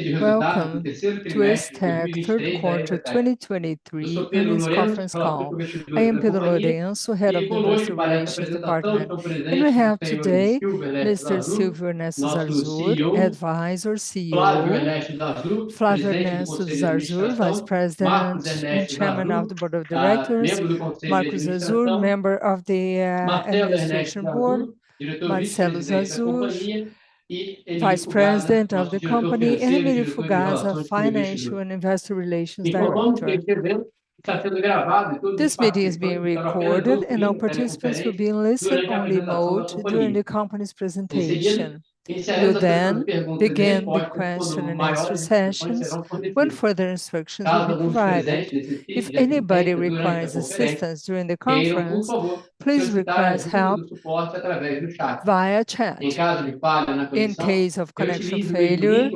Welcome to EZTEC Q3 2023 earnings conference call. I am Pedro Lourenço, Head of Investor Relations Department, and we have today Mr. Silvio Ernesto Zarzur, Advisor CEO, Flávio Ernesto Zarzur, Vice President and Chairman of the Board of Directors, Marcos Zarzur, member of the Administration Board, Marcelo Zarzur, Vice President of the company, and Emílio Fugazza, Financial and Investor Relations Director. This meeting is being recorded, and all participants will be in listen-only mode during the company's presentation. We will then begin the question and answer session when further instructions will be provided. If anybody requires assistance during the conference, please request help via chat. In case of connection failure,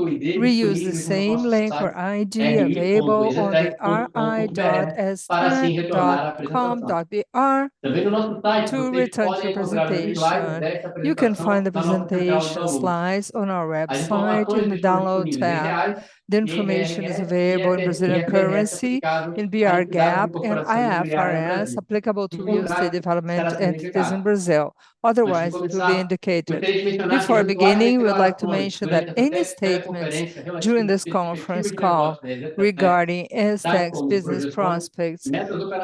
reuse the same link or ID available on the ri.eztec.com.br to return to the presentation. You can find the presentation slides on our website in the Download tab. The information is available in Brazilian currency, in BR GAAP and IFRS applicable to real estate development entities in Brazil; otherwise, it will be indicated. Before beginning, we would like to mention that any statements during this conference call regarding EZTEC's business prospects,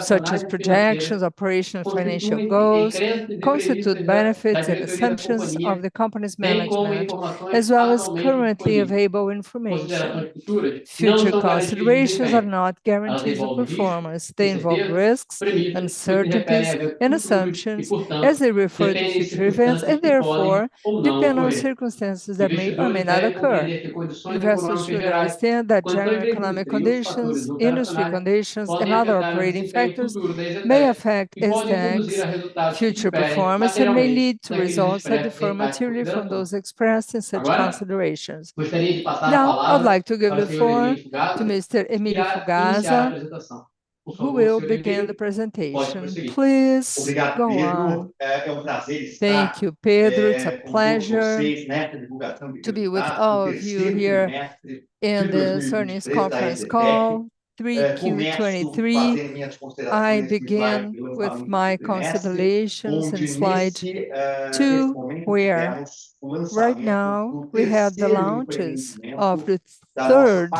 such as projections, operational, financial goals, constitute benefits and assumptions of the company's management, as well as currently available information. Future considerations are not guarantees of performance. They involve risks, uncertainties, and assumptions as they refer to future events, and therefore, depend on circumstances that may or may not occur. Investors should understand that general economic conditions, industry conditions, and other operating factors may affect EZTEC's future performance and may lead to results that differ materially from those expressed in such considerations. Now, I'd like to give the floor to Mr. Emílio Fugazza, who will begin the presentation. Please go on. Thank you, Pedro. It's a pleasure to be with all of you here in this earnings conference call, 3Q 2023. I begin with my considerations in slide 2, where right now we have the launches of the third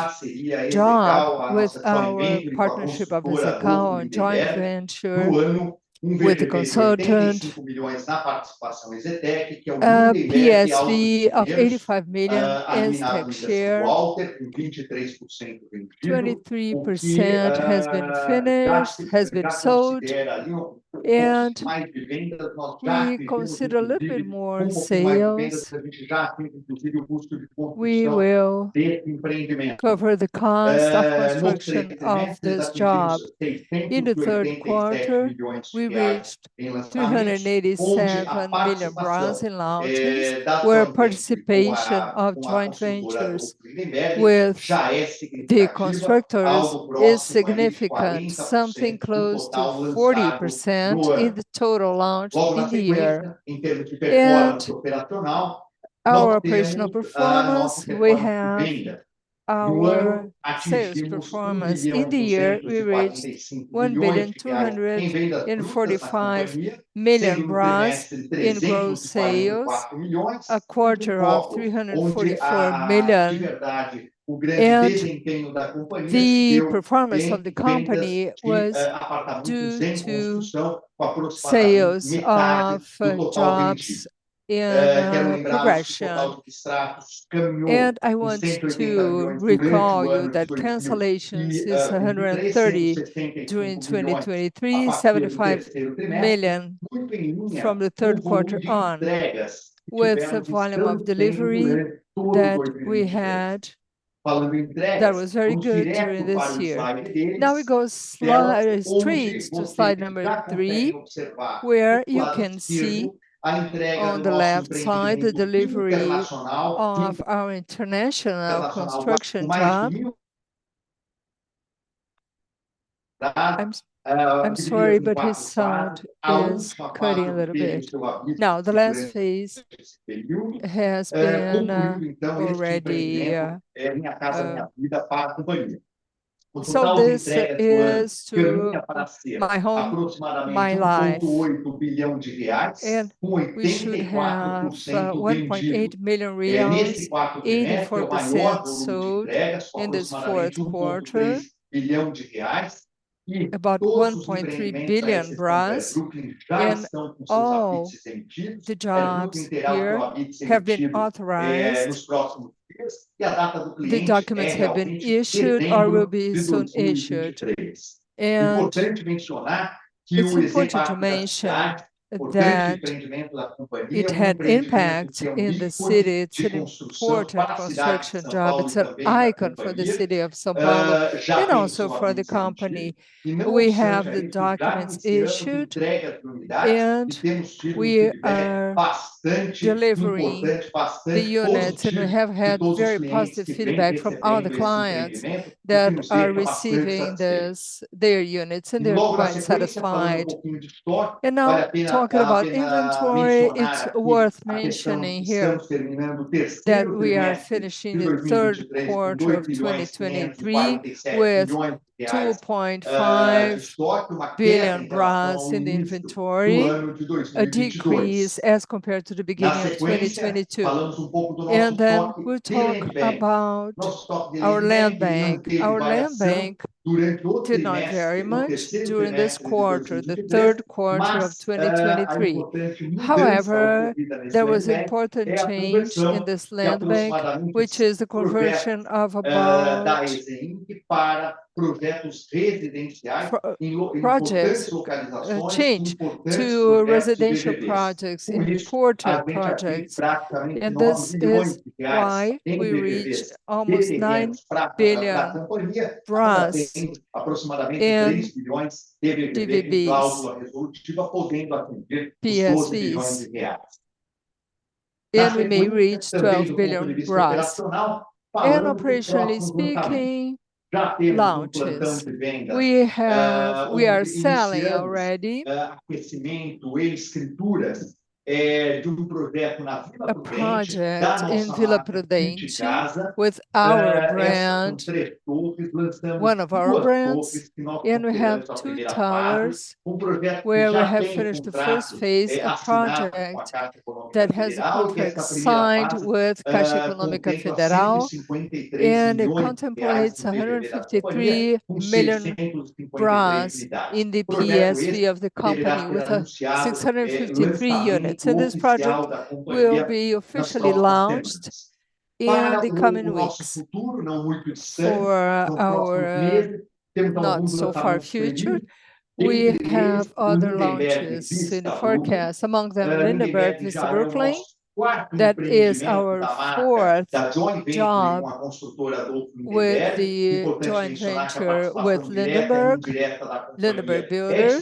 job with our partnership of EZTEC on joint venture with the consultant. PSV of BRL 85 million EZTEC share, 23% has been finished, has been sold, and we consider a little bit more sales. We will cover the cost of construction of this job. In the Q3, we reached 387 million in launches, where participation of joint ventures with the constructors is significant, something close to 40% in the total launch in the year. And our operational performance, we have our sales performance. In the year, we reached 1,245 million in gross sales, a quarter of 344 million. The performance of the company was due to sales of jobs in progression. I wanted to recall you that cancellations is 130 during 2023, 75 million from the Q3 on, with the volume of delivery that we had, that was very good during this year. Now we go straight to slide number 3, where you can see on the left side, the delivery of our international construction job. Now, the last phase has been already. So this is to Minha Casa, Minha Vida, and we should have 1.8 billion reais, 84% sold in this Q4. About 1.3 billion, and all the jobs here have been authorized. The documents have been issued or will be soon issued. It's important to mention that it had impact in the city to support a construction job. It's an icon for the city of São Paulo, and also for the company. We have the documents issued, and we are delivering the units, and we have had very positive feedback from our clients that are receiving this, their units, and they're quite satisfied. Now, talking about inventory, it's worth mentioning here that we are finishing the Q3 of 2023 with 2.5 billion in inventory. A decrease as compared to the beginning of 2022. Then we'll talk about our land bank. Our land bank did not vary much during this quarter, the Q3 of 2023. However, there was important change in this land bank, which is the conversion of about projects. Change to residential projects, important projects, and this is why we reached almost 9 billion in DVB, PSV. And we may reach 12 billion. And operationally speaking, launches. We are selling already a project in Vila Prudente with our brand, one of our brands, and we have two towers where we have finished the first phase, a project that has a contract signed with Caixa Econômica Federal, and it contemplates 153 million in the PSV of the company, with 653 units. And this project will be officially launched in the coming weeks. For our not-so-far future, we have other launches in the forecast, among them Lindenberg Brooklin. That is our fourth job with the joint venture with Lindenberg, Lindenberg Builder,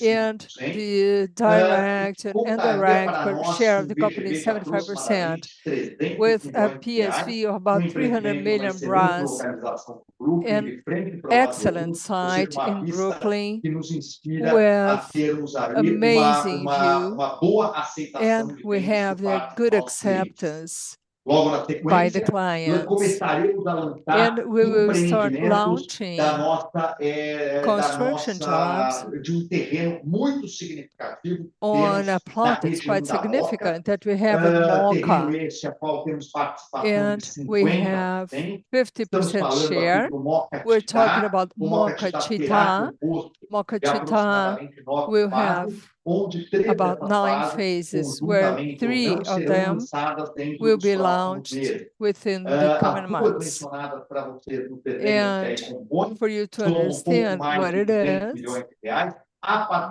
and the Drema and Endeavor share the company 75%, with a PSV of about 300 million. An excellent site in Brooklin, with amazing view, and we have a good acceptance by the clients. We will start launching construction jobs on a plot that's quite significant, that we have in Mooca. We have 50% share. We're talking about Mooca Città. Mooca Città will have about 9 phases, where 3 of them will be launched within the coming months. For you to understand what it is,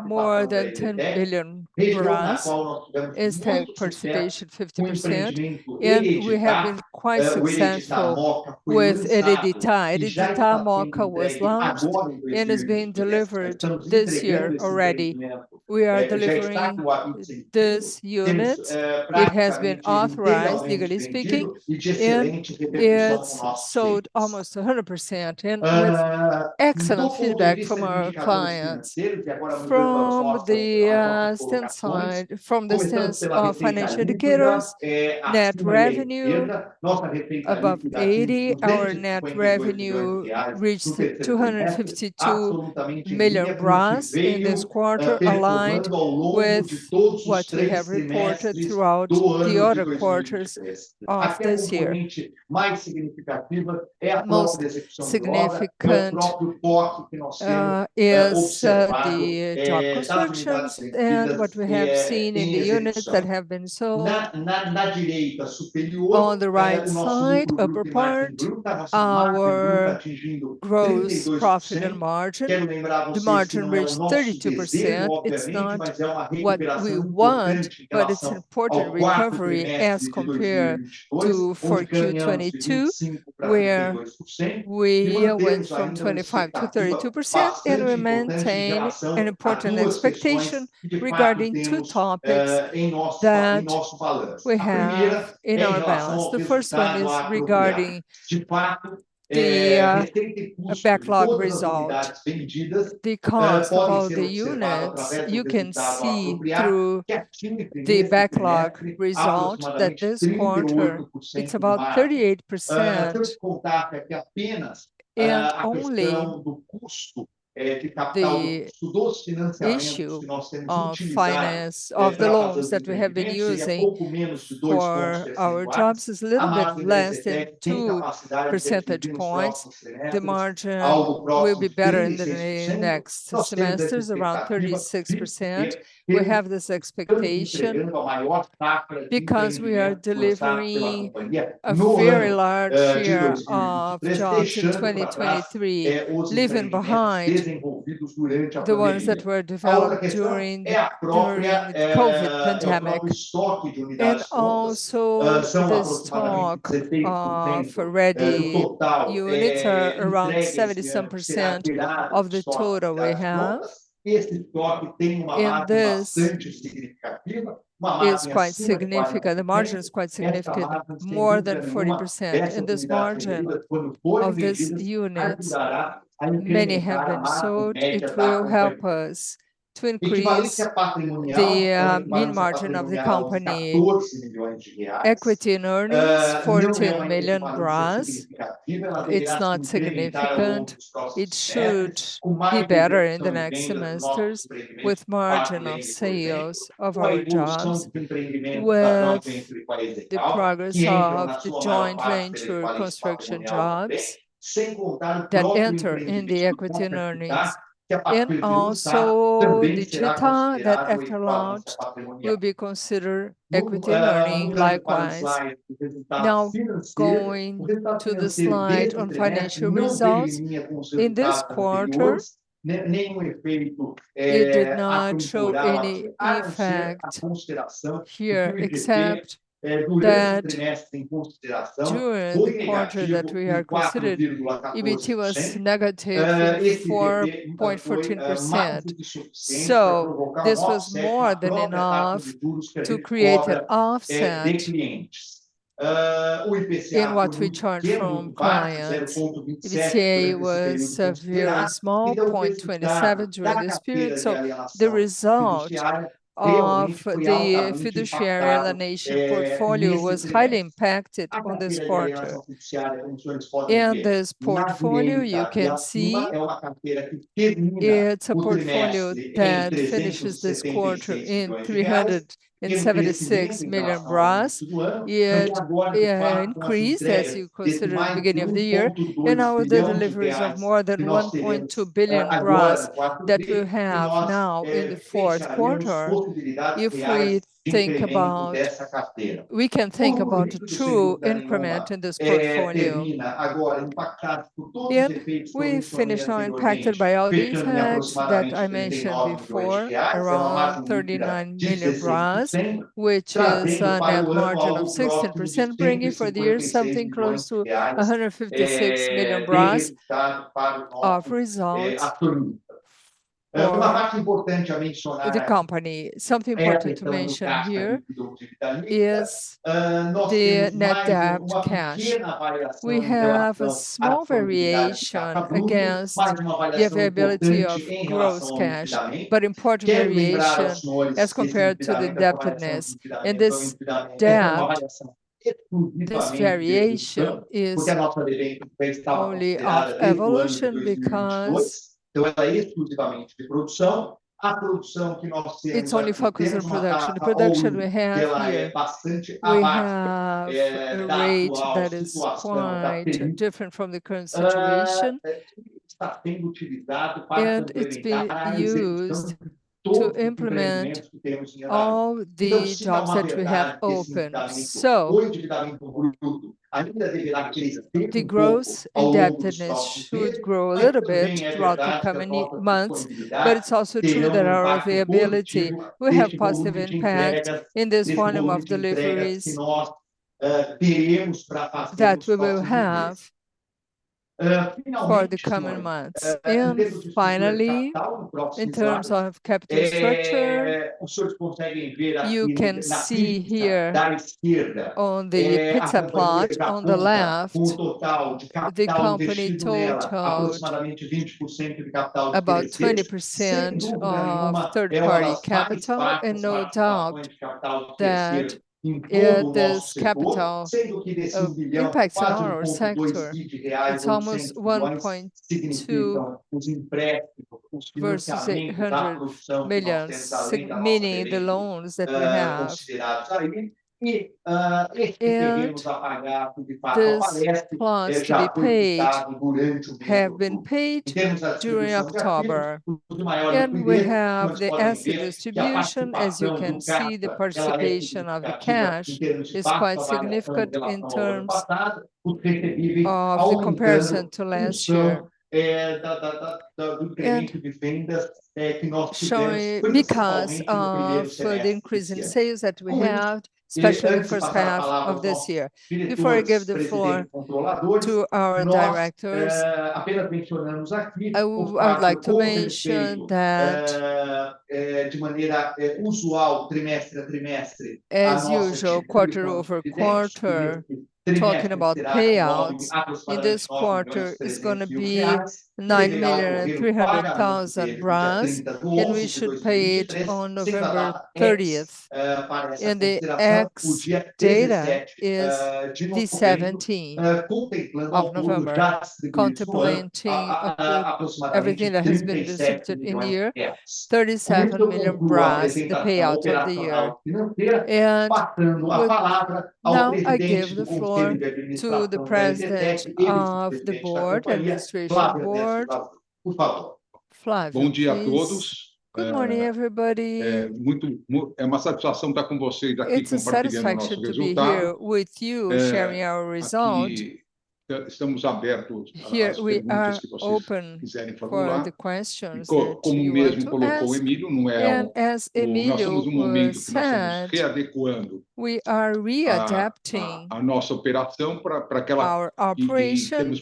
more than 10 billion is that participation, 50%, and we have been quite successful with Edita Mooca. Edita Mooca was launched, and it's being delivered this year already. We are delivering these units. It has been authorized, legally speaking, and it's sold almost 100%, and with excellent feedback from our clients. From the stand side... From the stands of financial indicators, net revenue above 80. Our net revenue reached 252 million in this quarter, aligned with what we have reported throughout the other quarters of this year. Most significant is the job constructions and what we have seen in the units that have been sold. On the right side, upper part, our gross profit and margin. The margin reached 32%. It's not what we want, but it's important recovery as compared to for Q 2022, where we went from 25% to 32%, and we maintain an important expectation regarding 2 topics that we have in our balance. The first one is regarding the backlog result. The cost of all the units, you can see through the backlog result that this quarter, it's about 38%. Only the issue of finance, of the loans that we have been using for our jobs is a little bit less than two percentage points. The margin will be better in the next semesters, around 36%. We have this expectation because we are delivering a very large share of jobs in 2023, leaving behind the ones that were developed during the COVID pandemic. And also, the stock of ready units are around 70-some% of the total we have. And this is quite significant. The margin is quite significant, more than 40%. And this margin of these units, many have been sold. It will help us to increase the mean margin of the company equity and earnings, 14 million. It's not significant. It should be better in the next semesters with margin of sales of our jobs, with the progress of the joint venture construction jobs that enter in the equity and earnings, and also Edita Mooca that after launch will be considered equity and earning likewise. Now, going to the slide on financial results. In this quarter, it did not show any effect here, except that during the quarter that we are considered, EBT was -4.14%. So this was more than enough to create an offset in what we charge from clients. EBITDA was very small, 0.27% during this period. So the result of the fiduciary alienation portfolio was highly impacted on this quarter. In this portfolio, you can see it's a portfolio that finishes this quarter in 376 million. It had increased as you consider in the beginning of the year, and now the deliveries of more than 1.2 billion that we have now in the Q4, if we think about... We can think about a true increment in this portfolio. We finished now impacted by all these impacts that I mentioned before, around 39 million, which is a net margin of 16%, bringing for the year something close to 156 million of results for the company. Something important to mention here is the net debt cash. We have a small variation against the availability of gross cash, but important variation as compared to the indebtedness. And this debt, this variation is only of evolution because it's only focused on production. The production we have here, we have a rate that is quite different from the current situation, and it's been used to implement all the jobs that we have opened. So, the gross indebtedness should grow a little bit throughout the coming months, but it's also true that our availability, we have positive impact in this volume of deliveries, that we will have, for the coming months. And finally, in terms of capital structure, you can see here on the pie chart on the left, the company totaled about 20% of third-party capital, and no doubt that, this capital, impacts on our sector. It's almost 1.2 versus 100 million, meaning the loans that we have. And these loans to be paid have been paid during October, and we have the asset distribution. As you can see, the participation of the cash is quite significant in terms of the comparison to last year. And showing because of, the increase in sales that we have, especially in the first half of this year. Before I give the floor to our directors, I would like to mention that, as usual, quarter-over-quarter, talking about payouts in this quarter is gonna be 9.3 million, and we should pay it on November 30th. And the ex-date is the 17th of November, contemplating, everything that has been inserted in the year, 37 million, the payout of the year. And now I give the floor to the president of the board, administration board, Flávio. Please. Good morning, everybody. It's a satisfaction to be here with you sharing our result. Here we are open for the questions that you want to ask. And as Emilio said, we are readapting our operation,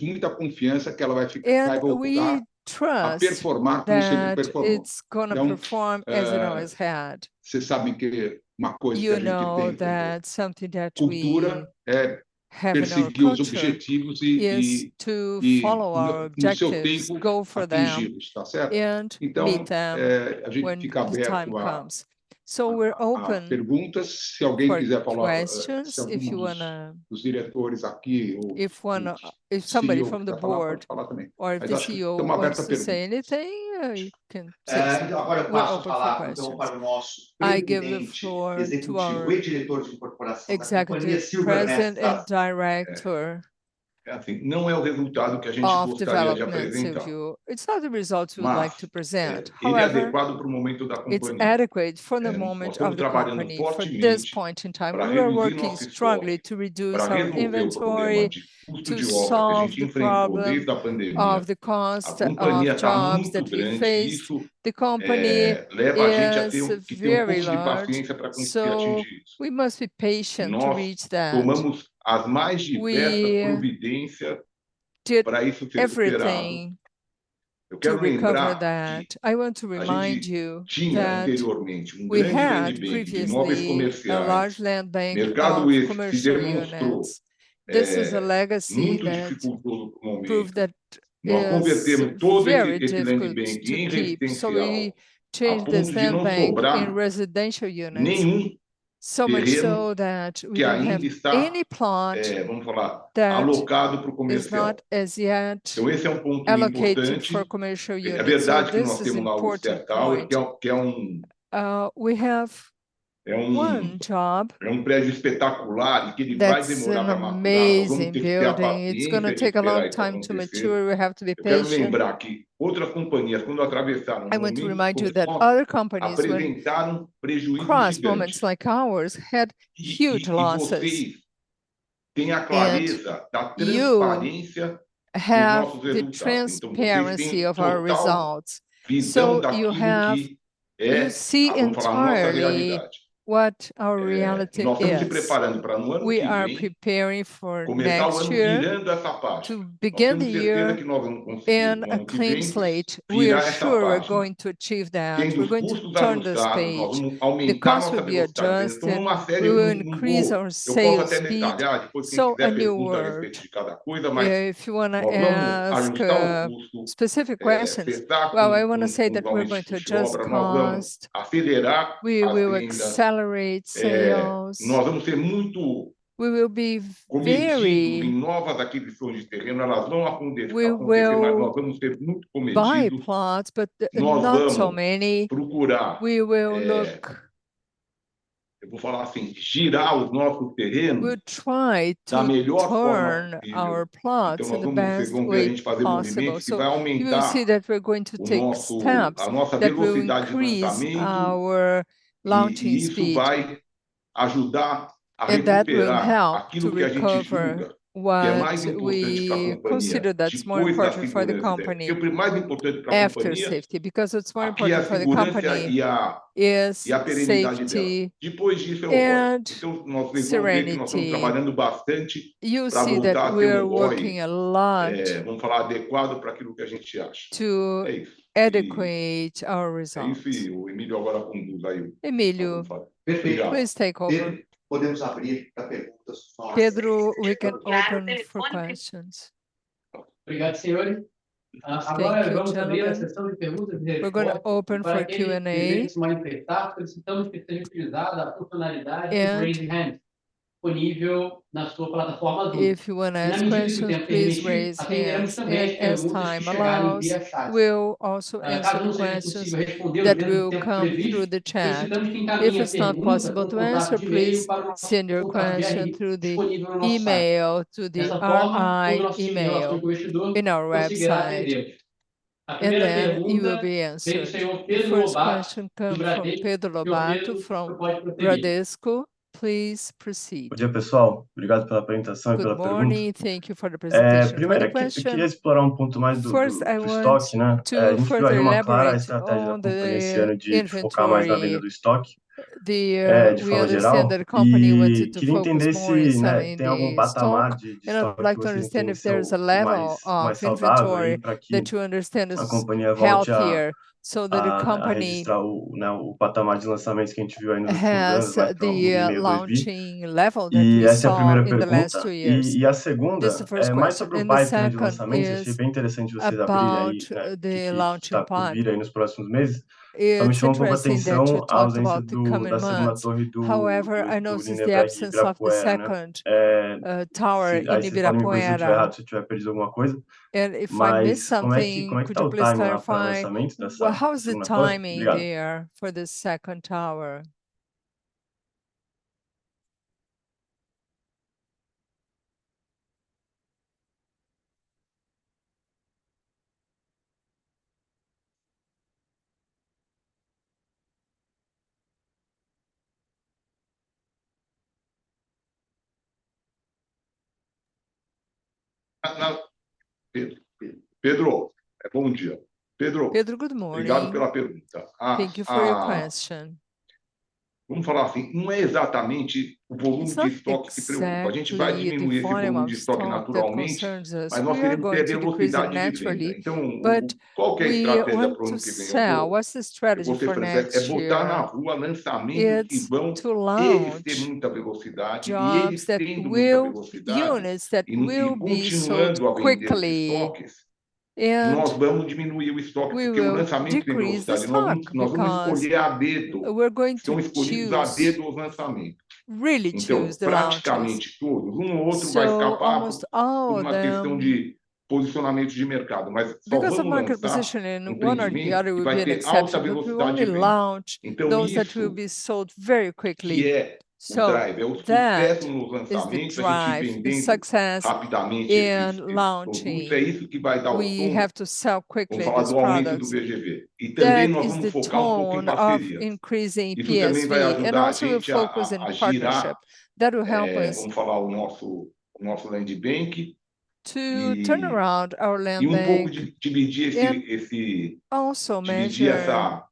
and we trust that it's gonna perform as it always had. You know that something that we-... perseguir os objetivos no seu tempo, atingi-los, tá certo? Então, a gente fica aberto a perguntas. Se alguém quiser falar, se algum dos diretores aqui ou se o CEO quer falar, pode falar também. Mas acho que é uma aberta a perguntas. I give the floor to our executives, president and director. É, assim, não é o resultado que a gente gostaria de apresentar. It's not the results we would like to present. However- Ele é adequado pro momento da companhia.... it's adequate for the moment of the company. For this point in time. We are working strongly to reduce our inventory, to solve the problem of the cost of jobs that we face. The company is very large, so we must be patient to reach that. Nós tomamos as mais diversas providências- Did everything to recover that. I want to remind you that we had previously a large land bank of commercial units. This is a legacy that proved that is very difficult to keep. So we changed the land bank in residential units. So much so that we don't have any plot that is not as yet allocated for commercial use. So this is an important point. We have one job- É um prédio espetacular, que vai demorar pra madurar.... that's an amazing building. It's gonna take a long time to mature. We have to be patient. Eu quero lembrar que outras companhias, quando atravessaram- I want to remind you that other companies, when- Apresentaram prejuízos grandes... crossed moments like ours, had huge losses e você tem a clareza- You have the transparency of our results. You see entirely what our reality is. Nós estamos nos preparando pra, no ano que vem- We are preparing for next year- Começar o ano virando essa página.... to begin the year in a clean slate. We are sure we are going to achieve that. We're going to turn this page. Os custos vão estar ajustados. Nós vamos aumentar a nossa velocidade de lançamento- The costs will be adjusted. We will increase our sales speed. Só que eu posso até detalhar, depois, se quiser perguntar a respeito de cada coisa, mas- A new world. If you wanna ask specific questions. Well, I wanna say that we're going to adjust cost. We will accelerate sales. É, nós vamos ser muito- We will be very- Comitês de novas aquisições de terreno, elas não vão deixar, vão acontecer, mas nós vamos ser muito criteriosos.... buy plots, but not so many Procurar. We will look. Eu vou falar assim: girar os nossos terrenos- We'll try to turn our plots in the best way possible. You will see that we're going to take steps that will increase our launching speed. E isso vai ajudar- That will help to recover what we consider that's more important for the company- O mais importante para a companhia-... after safety, because what's more important for the company is safety- E a perenidade dela.... and serenity. Então, nós estamos trabalhando bastante- You'll see that we are working a lot- É, vamos falar, adequado pra aquilo que a gente acha. ... to adequate our results. Enfim, o Emílio agora conduz aí. Emílio, please, take over. Perfeito! Pedro, we can open for questions. Obrigado, senhores. Thank you, Chairman. We're gonna open for Q&A. Para aqueles que desejam se manifestar, solicitamos que seja utilizada a funcionalidade "raise hand", disponível na sua plataforma- If you wanna ask questions, please raise hand, and as time allows, we'll also answer the questions that will come through the chat. If it's not possible to answer, please send your question through the e-mail, to the RI e-mail in our website, and then it will be answered. The first question coming from Pedro Lobato, from Bradesco. Please, proceed. Bom dia, pessoal. Obrigado pela apresentação e pela pergunta. Good morning, thank you for the presentation. É, primeiro, eu queria explorar um ponto mais do stock, né? First, I want to further elaborate on the inventory. We understand that the company wants to focus more in selling the stock. And I'd like to understand if there is a level of inventory that you understand is healthier, so that the company- Registrar o, né, o patamar de lançamentos que a gente viu aí nos últimos 2 anos, até o meio de 2020.... has the launching level that you saw in the last 2 years. E essa é a primeira pergunta. This is the first question. A segunda é mais sobre o pipeline de lançamentos. Achei bem interessante vocês abrir aí o que está por vir aí nos próximos meses. Só me chamou a atenção a ausência da segunda torre do Ibirapuera. Aí, me corrija se eu estiver errado, se eu tiver perdido alguma coisa. If I missed something, could you please clarify? Well, how is the timing there for the second tower? Pedro, Pedro. Bom dia, Pedro. Pedro, good morning. Obrigado pela pergunta. Thank you for your question. Vamos falar assim: não é exatamente o volume de stock que preocupa. It's not exactly the volume of stock that concerns us. A gente vai diminuir esse volume de stock, naturalmente, mas nós queremos vender mais rapidamente. We are going to decrease it naturally, but we want to sell. What's the strategy for next year? What's the strategy for next year? É botar na rua lançamentos que vão ter muita velocidade, e eles tendo muita velocidade- Units that will be sold quickly. ... nós vamos diminuir o estoque, porque o lançamento em grande velocidade, nós vamos escolher a dedo. Então, escolhidos a dedo os lançamentos. So- Então, praticamente todos, um ou outro vai escapar- Uh Por uma questão de posicionamento de mercado, mas nós vamos lançar empreendimento que vai ter alta velocidade de venda. Então, isso-... those that will be sold very quickly. Que é o drive, é o sucesso nos lançamentos, a gente vendendo rapidamente esses, esses produtos. É isso que vai dar o tom- We have to sell quickly these products. Vamos falar do aumento do VGV. Também nós vamos focar um pouquinho parceria. That is the tone of increasing PSV, and also we'll focus in the partnership. Isso também vai ajudar a gente a girar, é- That will help us- Vamos falar o nosso land bank. To turn around our land bank. E um pouco de dividir esse And- De dividir essa- Also manage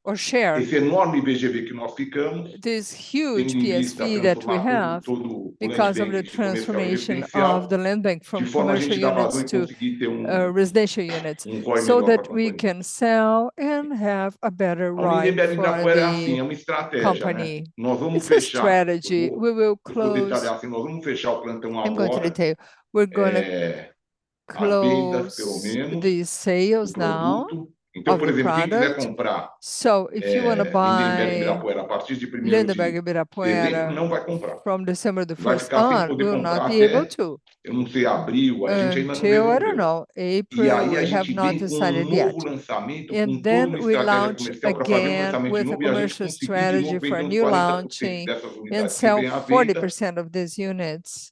or share. Esse enorme VGV que nós ficamos- This huge PSV that we have. Tem um imobiliário que tá pensando todo o land bank comercial e residencial. Because of the transformation of the land bank from commercial units to- Fluxo melhor pra companhia.... so that we can sell and have a better ride for the company. A Lindenberg em Ibirapuera é assim, é uma estratégia, né? It's a strategy. We will close- Vou detalhar assim, nós vamos fechar o plantão agora. I'm going to detail. É- We're gonna close- À venda, pelo menos.... the sales now of the product. Então, por exemplo, quem quiser comprar- So if you wanna buy- Lindenberg Ibirapuera, a partir de primeiro de dezembro, não vai comprar. Lindenberg Ibirapuera from December the 1st on, will not be able to. Vai ficar sem poder comprar até, eu não sei, abril, a gente ainda não decidiu yet. Until, I don't know, April, we have not decided yet. E então nós lançamos novamente com toda a estratégia comercial pra fazer o lançamento de novo, e a gente conseguir vender 94% dessas unidades em pré-venda. And then we launch again with a commercial strategy for a new launching and sell 40% of these units.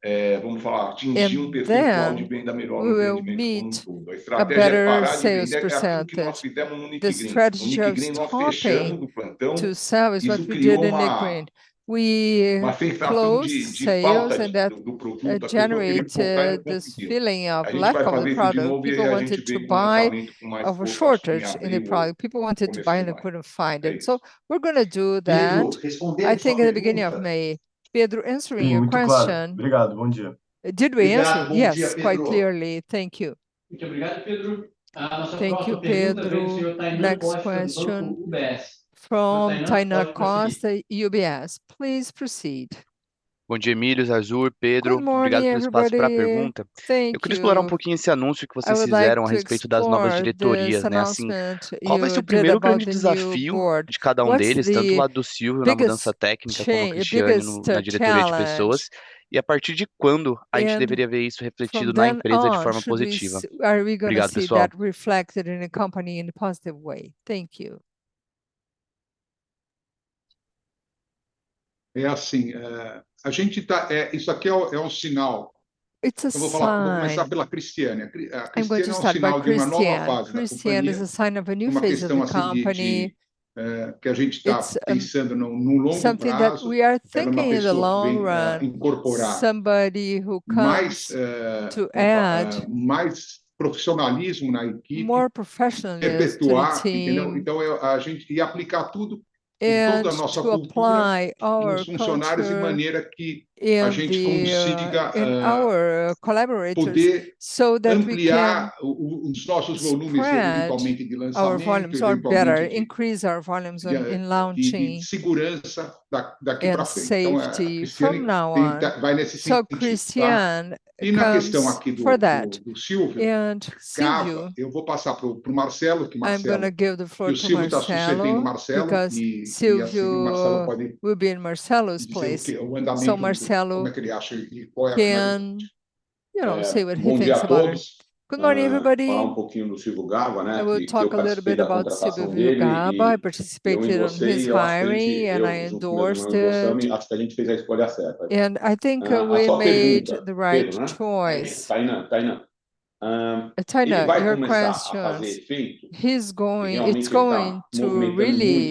Por aí, então, vamos falar, atingir um percentual de venda melhor, de rendimento com o produto. Then we will meet a better sales percentage. A estratégia é parar de vender, que é tudo que nós fizemos no Nigrin. No Nigrin, nós fechamos o plantão- The strategy of stopping to sell is what we did in Nigrin. E isso criou uma- We closed sales, and that generated this feeling of lack of the product. Do produto, a gente não consegue. People wanted to buy... of a shortage in the product. People wanted to buy and they couldn't find it. So we're gonna do that- Responder, responder a sua pergunta? I think, in the beginning of May. Pedro, answering your question. Muito claro. Obrigado, bom dia. Did we answer? Yes- Bom dia, Pedro.... quite clearly. Thank you. Muito obrigado, Pedro. Ah, nossa próxima pergunta vem do senhor Tainá Costa, do banco UBS. Tainá, pode prosseguir. Thank you, Pedro. Next question from Tainan Costa, UBS. Please, proceed. Bom dia, Emílio, Zarzur, Pedro. Good morning, everybody. Thank you. Obrigado pelo espaço pra pergunta. Eu queria explorar um pouquinho esse anúncio que vocês fizeram a respeito das novas diretorias, né? Assim, qual vai ser o primeiro grande desafio de cada um deles, tanto do lado do Silvio, na mudança técnica, quanto a Cristiane, no, na diretoria de pessoas, e a partir de quando a gente deveria ver isso refletido na empresa de forma positiva? Obrigado, pessoal. É assim, a gente tá, isso aqui é um sinal. It's a sign. Eu vou falar, vou começar pela Cristiane. I'm going to start by Cristiane. A Cristiane é um sinal de uma nova fase da companhia. Cristiane is a sign of a new phase of the company. É uma questão assim de, It's- É que a gente tá pensando num longo prazo.... something that we are thinking in the long run Incorporar. Somebody who comes to add- Mais, profissionalismo na equipe.... more professionalism team. Perpetuar, entendeu? Então, é, a gente ia aplicar tudo, em toda a nossa cultura- To apply our culture. Dos funcionários, de maneira que a gente consiga. In our collaborators, so that we can- Ampliar os nossos volumes, principalmente, de lançamento.... expand our volumes, or better, increase our volumes in, in launching- De segurança daqui pra frente... and safety from now on. Então, a Cristiane tem vai nesse sentido que a gente tá. Cristiane comes for that. E na questão aqui do Silvio Gava- And Silvio Eu vou passar pro Marcelo, que Marcelo- I'm gonna give the floor to Marcelo. Porque o Silvio tá sucedendo o Marcelo- Because Silvio- E assim, o Marcelo pode- Will be in Marcelo's place. Dizer o que, o andamento, como é que ele acha, e qual é a... So Marcelo can, you know, say what he thinks about it. Bom dia a todos! Good morning, everybody. Falar um pouquinho do Silvio Gava, né? I will talk a little bit about Silvio Gava. Que eu participei da contratação dele- I participated in his hiring. Eu endossei, e acho que a gente fez a escolha certa. I endorsed it, and I think we made the right choice. A sua pergunta, Pedro, né? Tainá, Tainá. Ele vai começar a fazer efeito- Tainá, her question. Realmente, ele tá movimentando muito a engenharia- He's going... It's going to really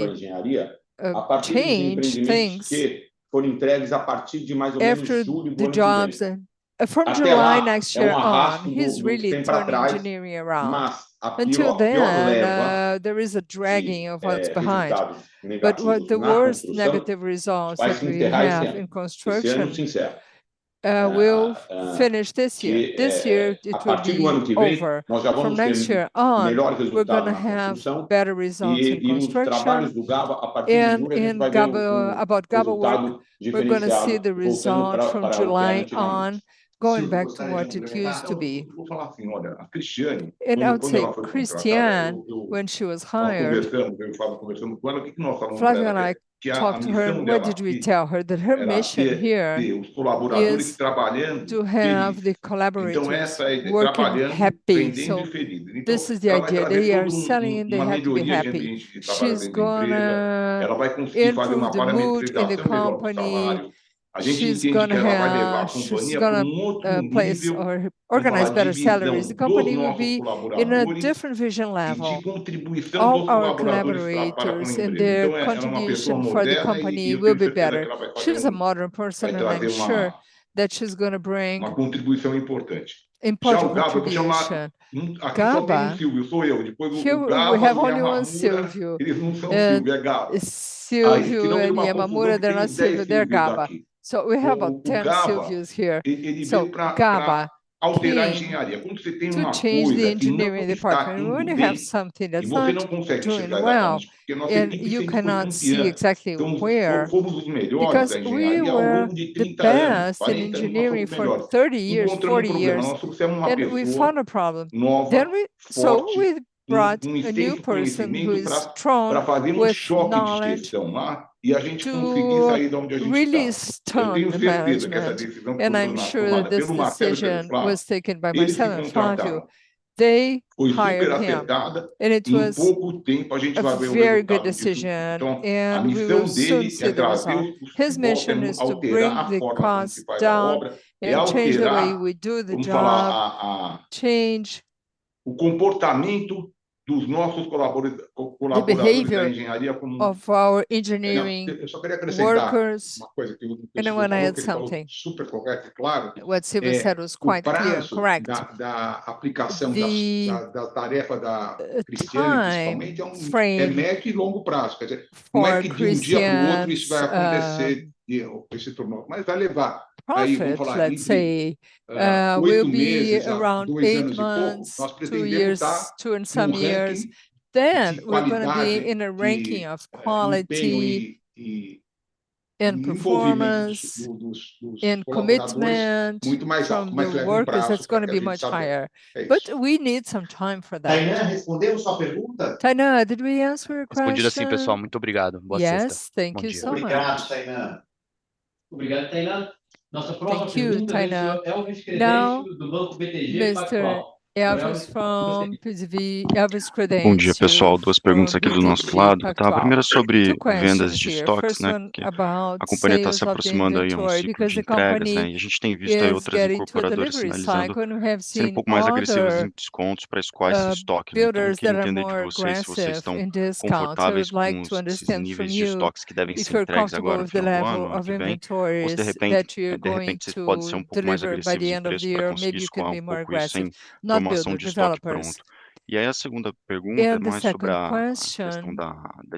change things. A partir dos empreendimentos que foram entregues, a partir de mais ou menos julho do ano que vem. After the jobs, from July next year on- Até lá, há um arrasto do, de tempo atrás.... he's really turn engineering around. Until then- Mas até lá- There is a dragging of what's behind. Sim, inegável. But what the worst negative results that we have in construction- Vai se encerrar esse ano. Esse ano encerra.... will finish this year. This year, it will be over. A partir do ano que vem, nós já vamos ter- From next year on, we're gonna have better results in construction. e os trabalhos do Gava, a partir de julho, a gente vai ver o resultado diferenciado- In Gava, about Gava work- Voltando para... we're gonna see the result from July on, going back to what it used to be. Vou falar assim, olha, a Cristiane- I would say Cristiane, when she was hired- Quando ela foi contratada, conversamos com ela, o que que nós falamos pra ela? Flávio and I talked to her. What did we tell her? That her mission here- Era ter os colaboradores trabalhando felizes. Is to have the collaborators working happy. Então, essa é trabalhando, vendendo e feliz. This is the idea. They are selling. They have to be happy. Então, ela vai trazer uma maioria da gente que trabalha dentro da empresa. She's gonna improve the mood in the company. Ela vai conseguir fazer uma avaliação de performance e melhor os salários. She's gonna have, she's gonna place or organize better salaries. A gente entende que ela vai levar a companhia pra um outro nível, de visão. The company will be in a different vision level. De contribuição dos colaboradores para com a empresa. All our collaborators and their contribution for the company will be better. Então, ela é uma pessoa moderna- She is a modern person, and I'm sure that she's gonna bring- Vai trazer uma contribuição importante.... important contribution. Já o Gava, eu tenho lá, aqui, só tem um Silvio, sou eu. Depois, vamos pro Gava, tem a Yamamura. Gava. Here we have only one Silvio. Eles não são Silvio, é Gava. Silvio and Yamamura, they're not Silvio, they're Gava. Assim, que não é uma, não tem dez Sílvios aqui. We have about 10 Silvios here. Então, o Gava- So Gava- Ele veio pra- To change the engineering department. Alterar a engenharia. Quando você tem uma coisa que não está indo bem- When you have something that's not doing well. Você não consegue chegar até a raiz, porque nós temos 25 anos de companhia. And you cannot see exactly where- Então, fomos os melhores na engenharia, por 30 anos, 40 anos, fomos os melhores. Because we were the best in engineering for 30 years, 40 years- Encontramos um problema. Nós sucessamos uma pessoa-... and we found a problem. Then we- Nova, forte So we brought a new person who is strong. Com conhecimento, pra fazer um choque de gestão, né? With knowledge to really turn the management. E a gente conseguir sair de onde a gente está. I'm sure this decision was taken by Marcelo Zarzur. They hired him, and it was a very good decision, and we will soon see the results. His mission is to bring the costs down and change the way we do the job, change the behavior of our engineering workers. I wanna add something, what Silvio said was quite clear and correct. The time frame for consistent profit, let's say, will be around 8 months, 2 years, 2 and some years. Then we're gonna be in a ranking of quality, and performance, and commitment from the workers. It's gonna be much higher. But we need some time for that. Tainá, did we answer your question? Yes, thank you so much. Yes, thank you so much. Thank you, Tainá. Thank you, Tainá. Now, Mr. Elvis from BTG, Elvis Credendio. Good day, pessoal. Two questions here. First one about sales of the inventory, because the company is getting to the delivery cycle, and we have seen other builders being more aggressive in discounts. We would like to understand from you if you're comfortable with the level of inventories that you're going to deliver by the end of the year, or maybe you could be more aggressive, not builder developers. The second question- About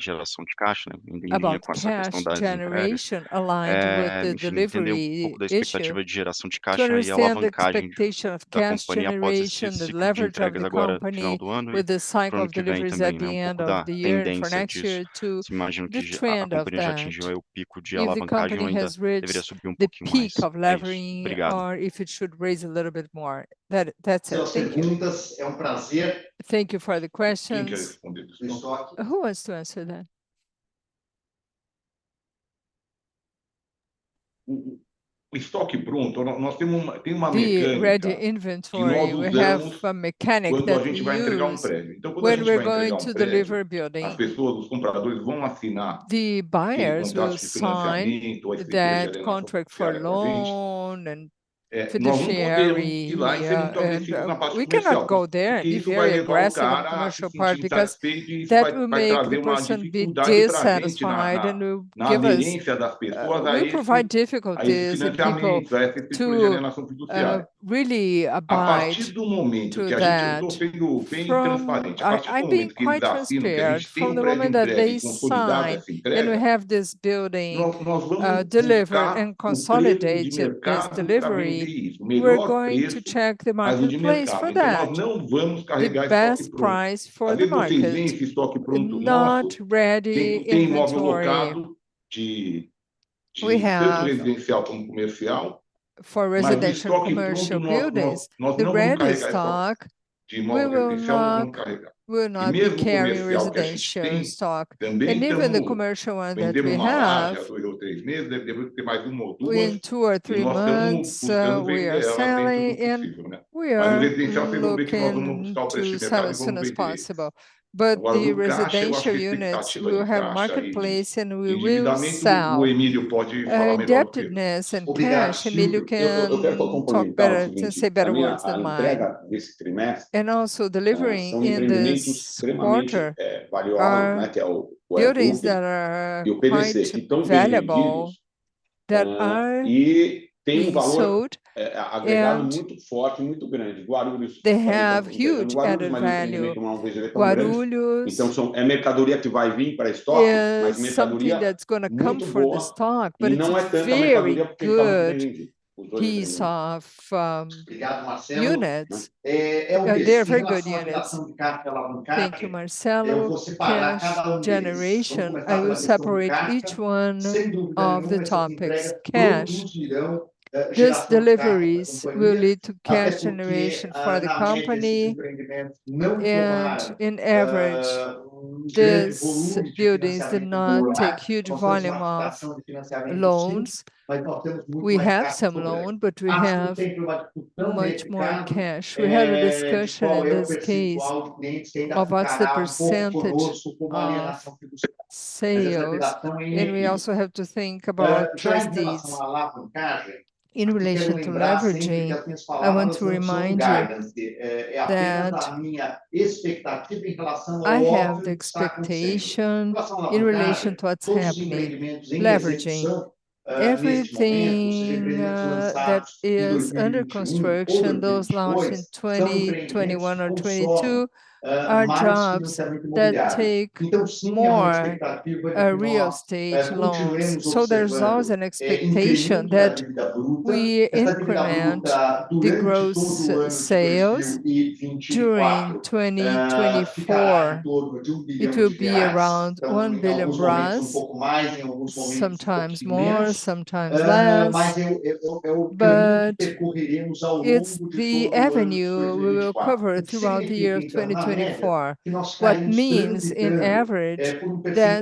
the cash generation aligned with the delivery issue- To understand the expectation of cash generation and the leverage of the company with the cycle of deliveries at the end of the year for next year, to the trend of that. If the company has reached the peak of levering, or if it should raise a little bit more. That, that's it. Thank you. Thank you. Thank you for the questions. Who wants to answer that? o estoque pronto- The ready inventory, we have a mechanism that we use- When we're going to deliver a building - The buyers will sign- The contract- That contract for loan and fiduciary, We cannot go there and be very aggressive on the commercial part, because that will make the person be dissatisfied and will give us- We provide difficulties to people to- Really abide to that. From... I, I've been quite transparent. From the moment that they sign, and we have this building, delivered and consolidated this delivery, we're going to check the marketplace for that. The best price for the market. The not-ready inventory. We have- For residential and commercial buildings- The ready stock, we will not- We will not carry residential stock. And even the commercial one that we have- When we have... In two or three months, we are selling, and we are looking to sell as soon as possible. But the residential units, we will have marketplace, and we will sell. Indebtedness and cash, Emílio can talk better, to say better words than mine. Also, delivering in this quarter are buildings that are quite valuable, that are being sold, and they have huge added value. Guarulhos- It's something that's gonna come for the stock, but it's a very good piece of, Units... They are very good units. Thank you, Marcelo. Cash generation, I will separate each one of the topics. Cash. These deliveries will lead to cash generation for the company. In average, these buildings do not take huge volume of loans. We have some loan, but we have much more in cash. We had a discussion in this case of what's the percentage of sales, and we also have to think about these in relation to leveraging. I want to remind you that I have the expectation in relation to what's happening, leveraging. Everything that is under construction, those launched in 2021 or 2022, are jobs that take more real estate loans. So there's always an expectation that we increment the gross sales during 2024. It will be around 1 billion, sometimes more, sometimes less, but it's the avenue we will cover throughout the year of 2024. What this means, on average, that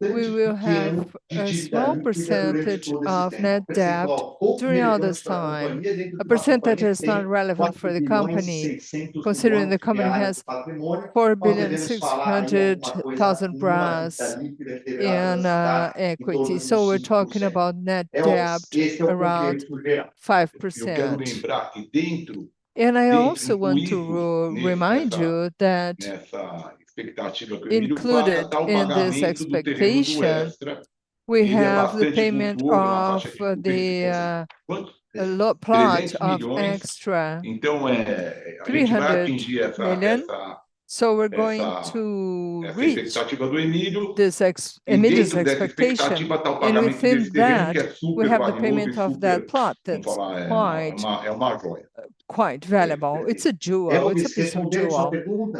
we will have a small percentage of net debt during all this time. A percentage that is not relevant for the company, considering the company has 4.6 billion in equity. So we're talking about net debt around 5%. And I also want to remind you that included in this expectation, we have the payment of the last plot of EZTEC 300 million. So we're going to reach this EZTEC's expectation, and within that, we have the payment of that plot that's quite, quite valuable. It's a jewel. It's a piece of jewel.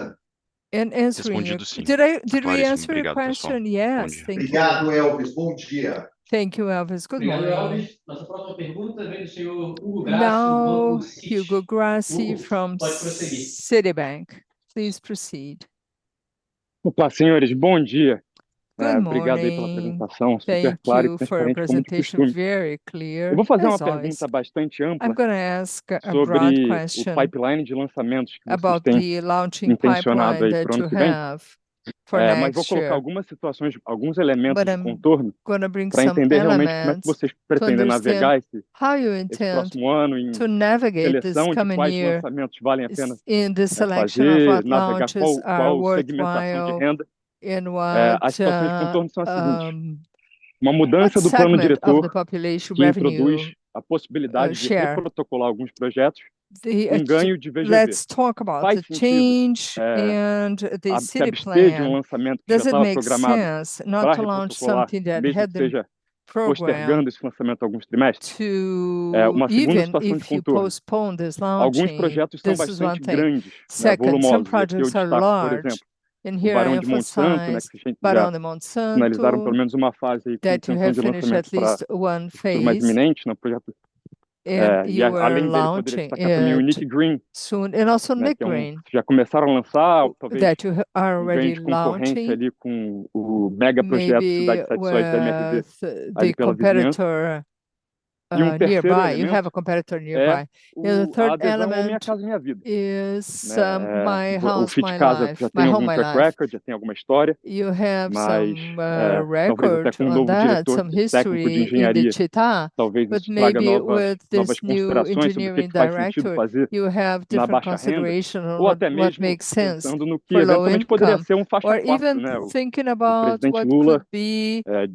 And answering you, did I answer your question? Yes. Thank you. Thank you, Elvis. Bom dia. Thank you, Elvis. Good morning. Thank you, Elvis. Now, Hugo Grassi from Citibank. Please proceed. Good morning. Thank you for a presentation very clear as always. I'm gonna ask a broad question about the launching pipeline that you have for next year. But I'm gonna bring some elements to understand how you intend to navigate this coming year in the selection of what launches are worthwhile, in what segment of the population revenue share? Let's talk about the change and the city plan. Does it make sense not to launch something that had been programmed to... Even if you postpone this launching? This is one thing. Second, some projects are large, and here I emphasize Barão de Monsanto, that you have finished at least one phase, and you are launching it soon. And also, Nick Green, that you are already launching. Maybe, with the competitor nearby. You have a competitor nearby. The third element is, Minha Casa, Minha Vida. You have some record on that, some history in the Città, but maybe with this new engineering director, you have different consideration on what makes sense for low income. Or even thinking about what could be the,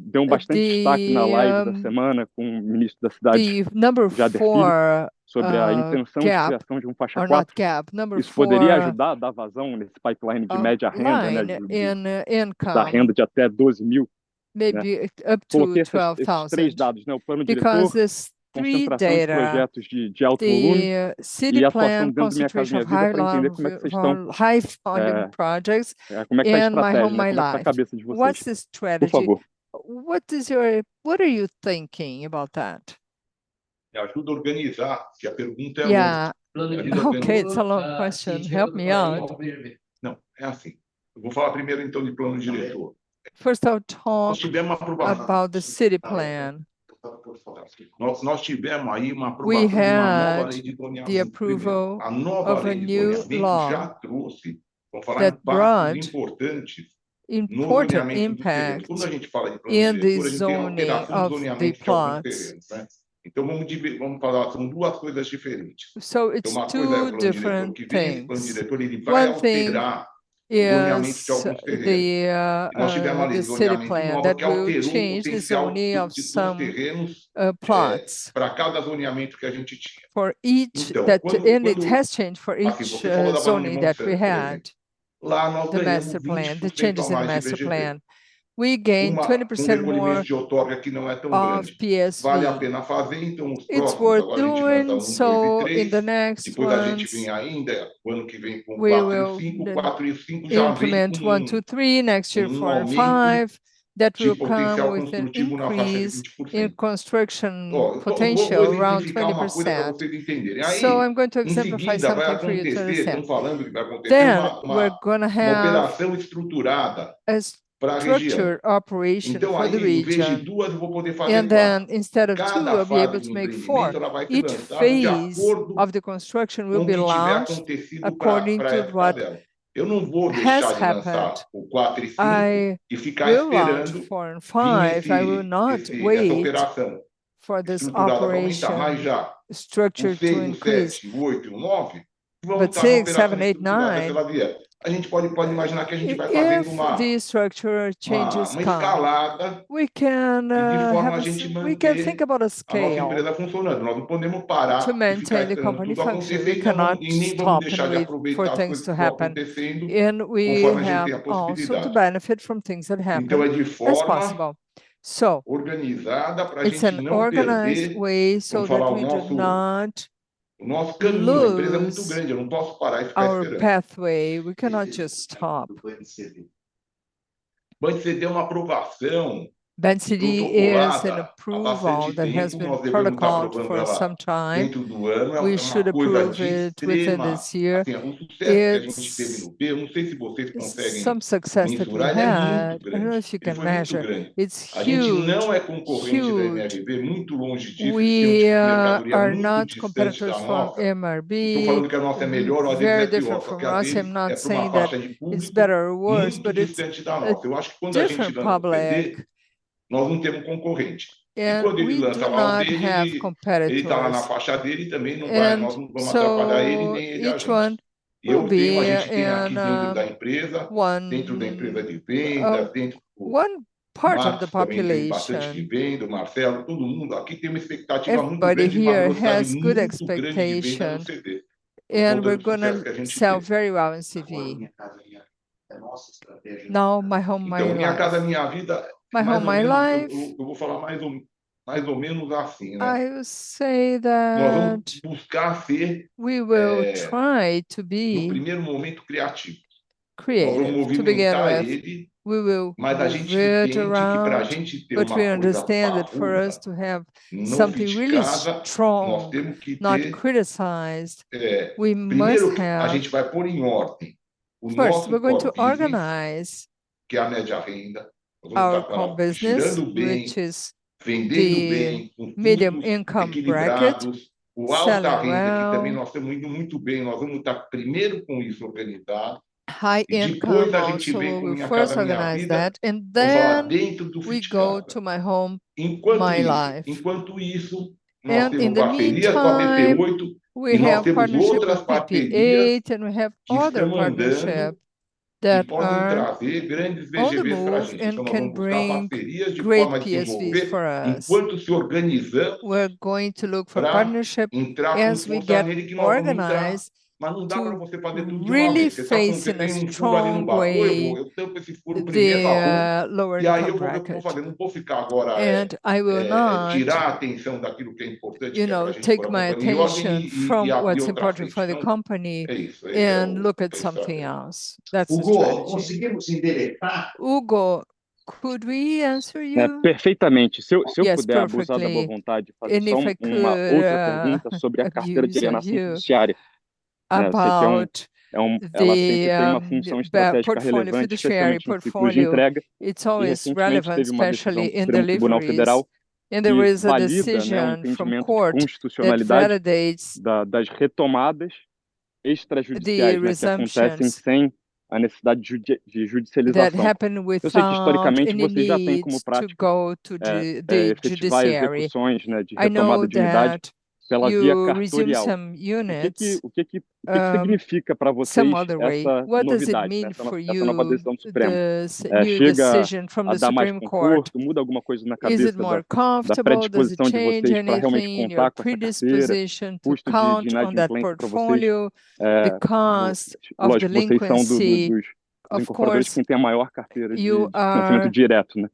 the number 4, gap or not gap. Number 4, line in, income, maybe up to 12,000. Because this three data, the city plan concentration of high volume projects, and Minha Casa, Minha Vida. What's the strategy? What is your-- What are you thinking about that? Yeah. Okay, it's a long question. Help me out. No. First, I'll talk about the city plan. We had the approval of a new law that brought important impact in the zoning of the plots. So it's two different things. One thing is the city plan that will change the zoning of some plots. And it has changed for each zoning that we had. The master plan, the changes in master plan. We gained 20% more of PSV. It's worth doing, so in the next ones, we will implement 1, 2, 3. Next year, 4 and 5. That will come with an increase in construction potential, around 20%. So I'm going to exemplify something for you to understand. Then, we're gonna have a structured operation for the region, and then instead of 2, we'll be able to make 4. Each phase of the construction will be launched according to what has happened. I will launch four and five. I will not wait for this operation structure to increase, but six, seven, eight, nine. If the structural changes come, we can have a scale we can think about to maintain the company functioning. We cannot stop and wait for things to happen, and we have also to benefit from things that happen as possible. So, it's an organized way so that we do not lose our pathway. We cannot just stop. Bancity is an approval that has been protocoled for some time. We should approve it within this year. It's, it's some success that we've had. I don't know if you can measure. It's huge, huge. We are not competitors for MRV, very different from us. I'm not saying that it's better or worse, but it's, it's different public- ... nós não temos concorrente. E quando ele lança o carro dele, ele tá lá na faixa dele e também não vai, nós não vamos atrapalhar ele, nem ele a gente. E eu tenho, a gente tem aqui dentro da empresa, dentro da empresa de vendas, o Marcos também tem bastante de venda, o Marcelo, todo mundo. Aqui, temos expectativa muito grande de dar um muito grande venda no CV, toda a gente que a gente tem. Now, Minha Casa, Minha Vida- É nossa estratégia. Now My Home, My Life Minha Casa, Minha Vida, eu vou falar mais ou menos assim, né? I will say that- Nós vamos buscar We will try to be- No primeiro momento, criativos.... creative, to begin with. Para movimentar ele. We will move it around. Mas a gente entende que pra gente ter uma coisa forte, não criticada- But we understand that for us to have something really strong, not criticized, we must have- É, primeiro, a gente vai pôr em ordem o nosso core business- First, we're going to organize- Que é a média renda. Nós vamos estar girando bem- Our core business, which is the- Vendendo bem... medium income bracket, selling well. Equilibrados. O alto da renda, que também nós temos ido muito bem, nós vamos estar primeiro com isso, organizado. High income, also. E depois, a gente vem com o Minha Casa, Minha Vida. We first organize that, and then- Dentro do Fit Casa.... we go to My Home, My Life. Enquanto isso, nós temos parcerias com a PP oito, e nós temos outras parcerias que estão andando e podem trazer grandes VGB pra gente. Nós vamos buscar parcerias de forma a desenvolver. Enquanto se organizar, we're going to look for partnership as we get organized to really face in a strong way the lower income bracket. And I will not, you know, take my attention from what's important for the company and look at something else. That's the strategy. Hugo, could we answer you? É, perfeitamente. Se eu puder abusar da boa vontade, fazer então uma outra pergunta sobre a carteira de alienação fiduciária. É, ela sempre tem uma função estratégica relevante, especialmente em entregas. E recentemente, teve uma decisão do Supremo Tribunal Federal que valida, né, o entendimento, a constitucionalidade das retomadas extrajudiciais, né, que acontecem sem a necessidade de judicialização. Eu sei que historicamente vocês já têm como prática efetuar as repossessões, né, de retomada de unidade pela via cartorária. O que significa pra vocês essa novidade, essa nova decisão do Supremo? Chega a dar mais conforto, muda alguma coisa na cabeça da predisposição de vocês pra realmente contar com essa carteira? Custo de inadimplência pra vocês. É, lógico, vocês são dos incorporadores que têm a maior carteira de alienação fiduciária, né?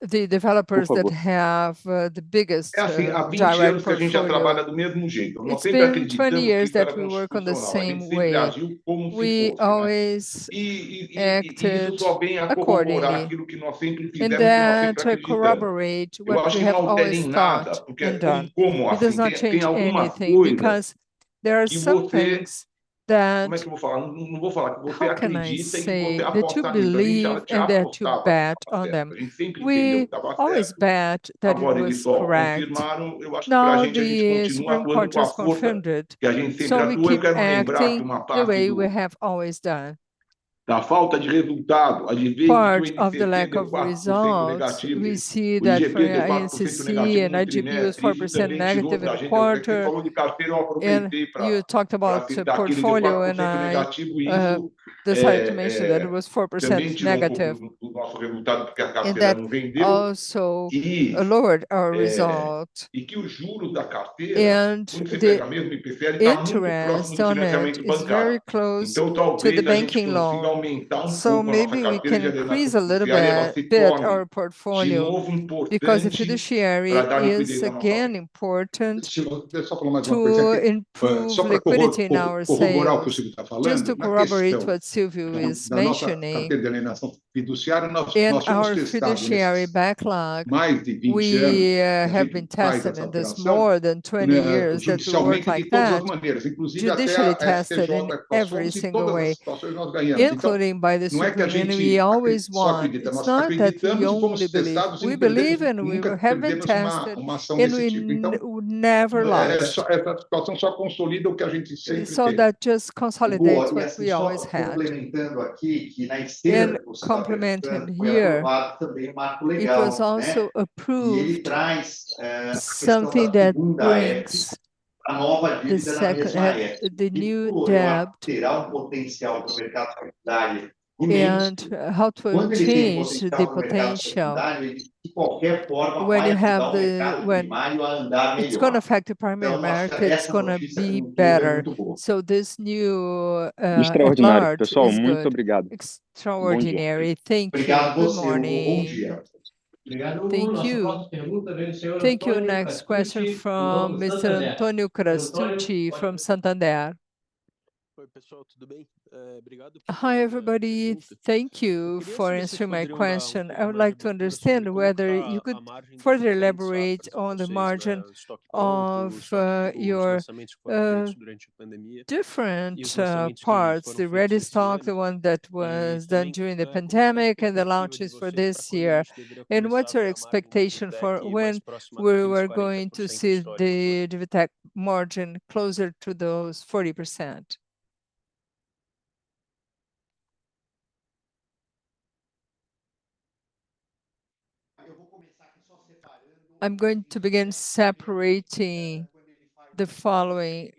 Por favor. The developers that have the biggest direct portfolio. É assim, há 20 anos que a gente já trabalha do mesmo jeito. Nós sempre acreditamos que era constitucional, tem sempre vazio como se fosse, né? We always acted accordingly. Isso só vem a corroborar aquilo que nós sempre fizemos. Nós sempre acreditamos. To corroborate what we have always thought and done. Eu acho que não altera em nada, porque como afinar? Tem alguma coisa- It does not change anything, because there are some things that- Como é que eu vou falar? Não vou falar que você acredita e você apostou ali, porque a gente sempre apostava. How can I say? They too believe, and they too bet on them. A gente sempre creu que tava certo. We always bet that it was correct. Agora, eles só confirmaram. Eu acho que a gente continua com a força- Now, the Supreme Court has confirmed it, so we keep acting the way we have always done. Da falta de resultado, às vezes, o INCC e IGP-M- Part of the lack of results, we see that from INCC and IGP-M is 4% negative in the quarter. Negativo. You talked about the portfolio, and I decided to mention that it was -4%. O nosso resultado, porque a carteira não vendeu- That also lowered our result.... é, que o juro da carteira, quando você pega mesmo, ele prefere tá muito próximo de juros bancário. The interest on it is very close to the banking law. Então, ao querer, a gente conseguiu aumentar um pouco nossa carteira- Maybe we can increase a little bit our portfolio- Porque ela é muito forte.... because the judiciary is again important to improve liquidity in our sales. É, só falar mais uma coisa. Just to corroborate what Silvio is mentioning. carteira de alienação fiduciária, nós fomos testados- In our fiduciary backlog- Mais de 20 anos... we have been tested in this more than 20 years, that we work like that. Ne? Judicially tested in every single way, including by the Supreme, and we always won. Nós sempre só acredita. It's not that we only believe. We believe, and we have been tested, and we never lost. Essa situação só consolida o que a gente sempre teve. So that just consolidates what we always had. E assim, só complementando aqui, que na externa- Complementing here.... também um marco legal, né? It was also approved. E ele traz, é Something that brings the second, the new debt A nova dívida na mesma é, tirar o potencial do mercado familiar e meio- How to change the potential- De qualquer forma- When you have the,... It's gonna affect the primary market. It's gonna be better. So this new part is good. Extraordinário, pessoal. Muito obrigado! Extraordinary. Thank you. Good morning. Obrigado, Silvio. Bom dia. Thank you. Obrigado. Thank you. Next question from Mr. Antonio Castrucci, from Santander. Oi, pessoal, tudo bem? obrigado... Hi, everybody. Thank you for answering my question. I would like to understand whether you could further elaborate on the margin of your different parts, the ready stock, the one that was done during the pandemic, and the launches for this year. And what's your expectation for when we were going to see the EZTEC margin closer to those 40%? I'm going to begin separating the following.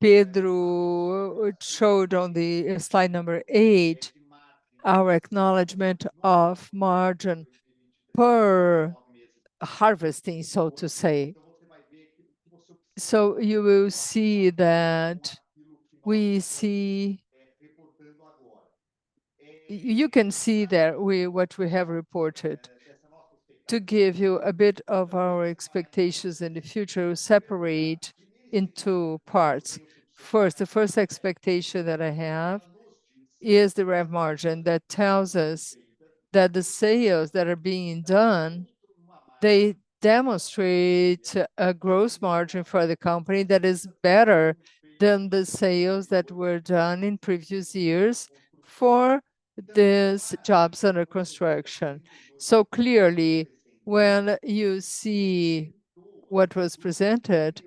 Pedro showed on the slide number 8 our acknowledgement of margin per harvesting, so to say. So you will see that you can see there what we have reported. To give you a bit of our expectations in the future, we separate into parts. First, the first expectation that I have is the rev margin that tells us that the sales that are being done, they demonstrate a gross margin for the company that is better than the sales that were done in previous years for these jobs under construction. So clearly, when you see what was presented,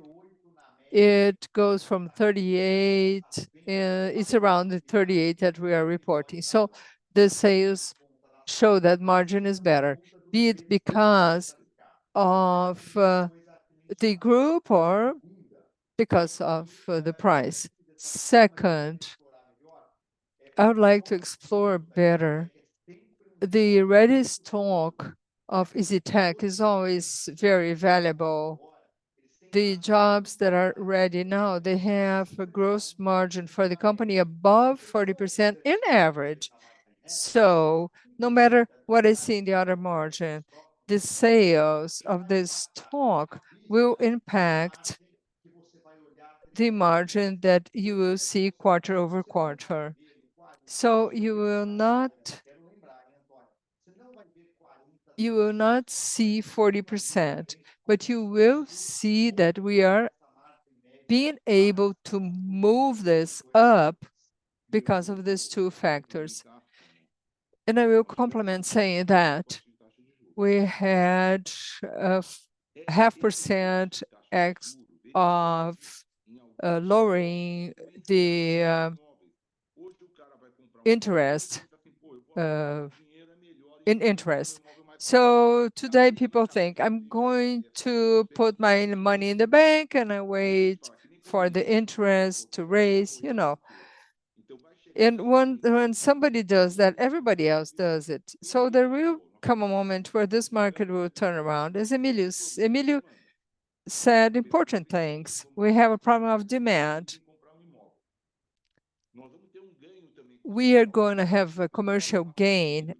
it goes from 38%, it's around the 38% that we are reporting. So the sales show that margin is better, be it because of the group or because of the price. Second, I would like to explore better. The ready stock of EZTEC is always very valuable. The jobs that are ready now, they have a gross margin for the company above 40% in average. So no matter what I see in the other margin, the sales of this stock will impact the margin that you will see quarter-over-quarter. So you will not, you will not see 40%, but you will see that we are being able to move this up because of these two factors. And I will complement saying that we had a half percent of lowering the interest in interest. So today people think, "I'm going to put my money in the bank, and I wait for the interest to raise," you know. And when somebody does that, everybody else does it. So there will come a moment where this market will turn around. As Emílio said important things. We have a problem of demand. We are going to have a commercial gain.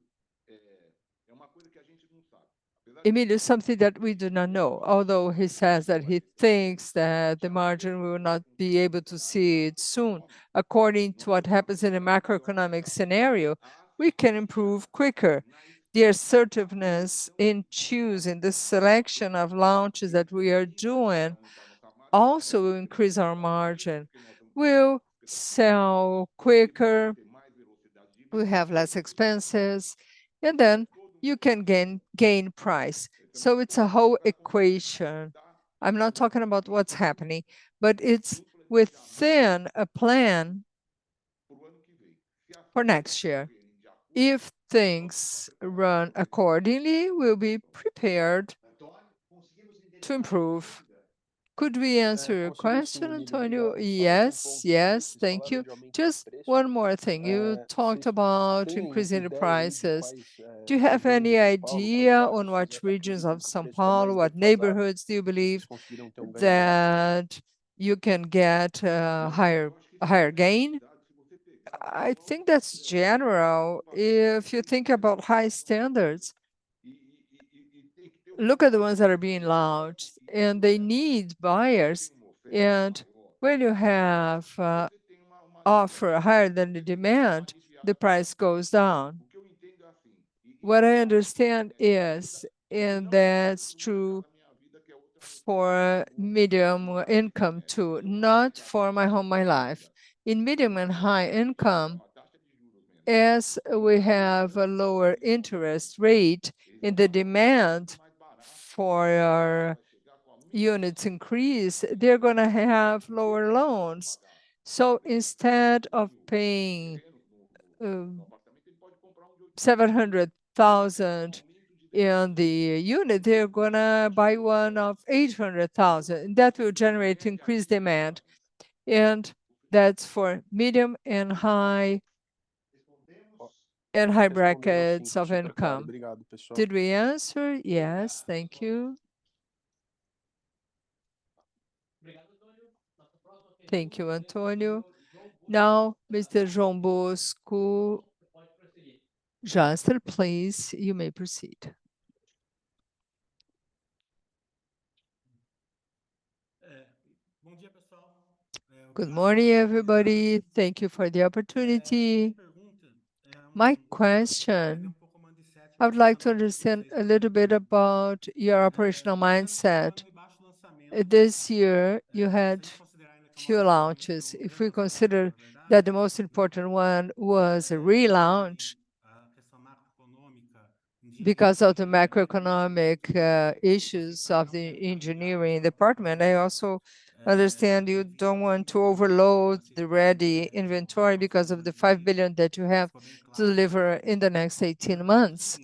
Emílio, something that we do not know, although he says that he thinks that the margin, we will not be able to see it soon. According to what happens in a macroeconomic scenario, we can improve quicker. The assertiveness in choosing the selection of launches that we are doing also will increase our margin. We'll sell quicker, we'll have less expenses, and then you can gain, gain price. So it's a whole equation. I'm not talking about what's happening, but it's within a plan for next year. If things run accordingly, we'll be prepared to improve. Could we answer your question, Antonio? Yes, yes, thank you. Just one more thing. You talked about increasing the prices. Do you have any idea on which regions of São Paulo, what neighborhoods do you believe that you can get a higher, a higher gain? I think that's general. If you think about high standards, look at the ones that are being launched, and they need buyers. And when you have offer higher than the demand, the price goes down. What I understand is, and that's true for medium income, too, not for My Home/My Life. In medium and high income, as we have a lower interest rate and the demand for our units increase, they're gonna have lower loans. So instead of paying 700,000 in the unit, they're gonna buy one of 800,000, and that will generate increased demand. And that's for medium and high, and high brackets of income. Did we answer? Yes, thank you. Thank you, Antônio. Now, Mr. João Bosco Jasper, please, you may proceed. Good morning, everybody. Thank you for the opportunity. My question, I would like to understand a little bit about your operational mindset. This year, you had few launches. If we consider that the most important one was a re-launch-... Because of the macroeconomic issues of the engineering department, I also understand you don't want to overload the ready inventory because of the 5 billion that you have to deliver in the next 18 months.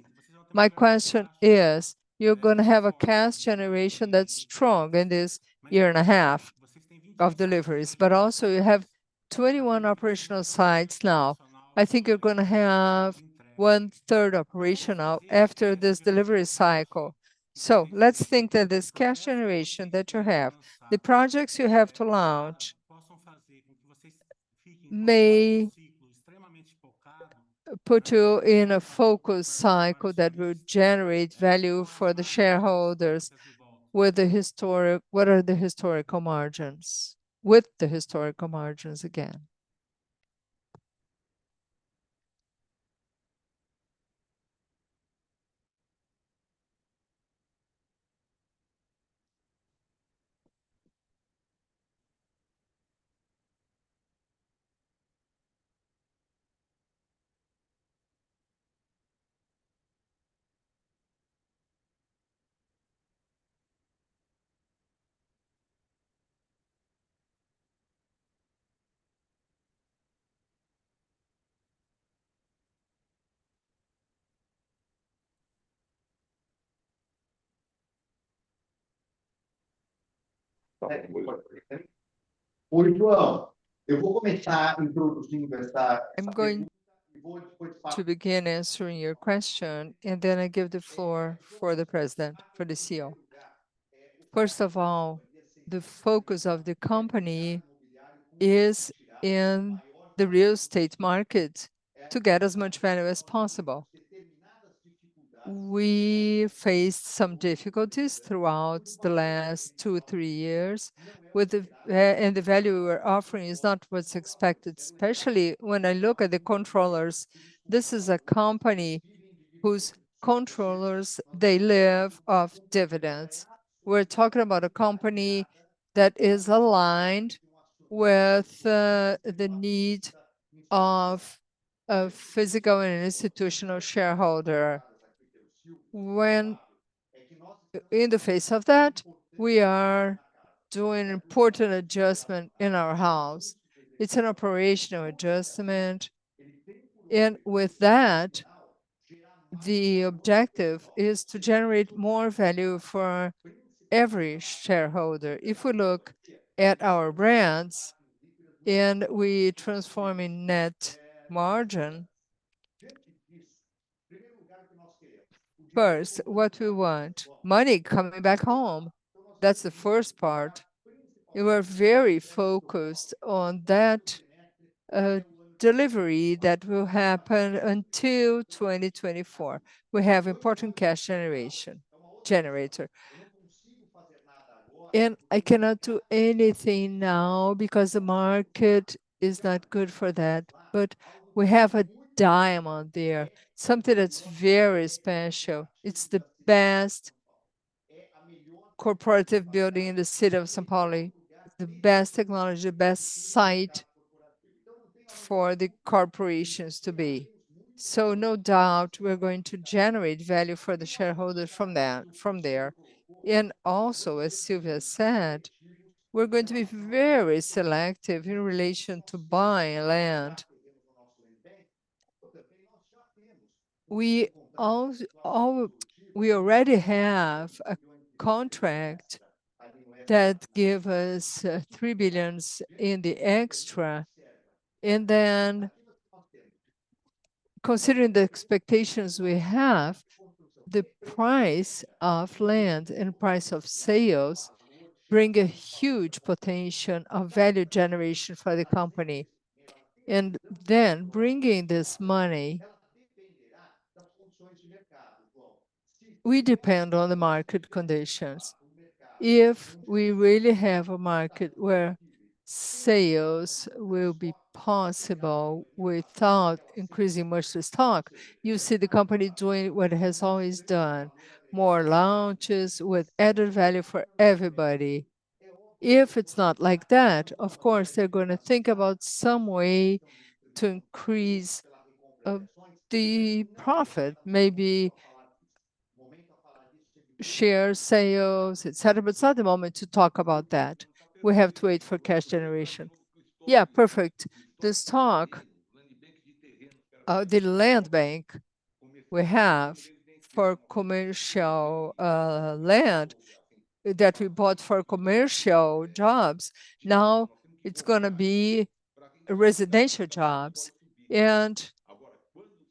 My question is, you're gonna have a cash generation that's strong in this year and a half of deliveries, but also you have 21 operational sites now. I think you're gonna have one-third operational after this delivery cycle. So let's think that this cash generation that you have, the projects you have to launch may put you in a focus cycle that will generate value for the shareholders with the historic—what are the historical margins, with the historical margins again? I'm going to begin answering your question, and then I give the floor for the president, for the CEO. First of all, the focus of the company is in the real estate market to get as much value as possible. We faced some difficulties throughout the last two or three years, with the and the value we were offering is not what's expected. Especially when I look at the controllers, this is a company whose controllers, they live off dividends. We're talking about a company that is aligned with the need of a physical and institutional shareholder. In the face of that, we are doing an important adjustment in our house. It's an operational adjustment, and with that, the objective is to generate more value for every shareholder. If we look at our brands and we transform in net margin, first, what we want? Money coming back home. That's the first part. We were very focused on that delivery that will happen until 2024. We have important cash generation, generator. I cannot do anything now because the market is not good for that, but we have a diamond there, something that's very special. It's the best corporate building in the city of São Paulo, the best technology, the best site for the corporations to be. So no doubt, we're going to generate value for the shareholders from there, from there. And also, as Silvio said, we're going to be very selective in relation to buying land. We already have a contract that gives us 3 billion in the extra. And then, considering the expectations we have, the price of land and price of sales bring a huge potential of value generation for the company. And then, bringing this money, we depend on the market conditions. If we really have a market where sales will be possible without increasing much the stock, you see the company doing what it has always done, more launches with added value for everybody. If it's not like that, of course, they're gonna think about some way to increase the profit, maybe share sales, et cetera. But it's not the moment to talk about that. We have to wait for cash generation. Yeah, perfect. The stock, the land bank we have for commercial, land that we bought for commercial jobs, now it's gonna be residential jobs, and